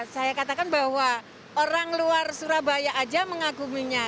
saya katakan bahwa orang luar surabaya aja mengaguminya